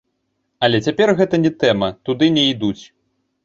Але цяпер гэта не тэма, туды не ідуць.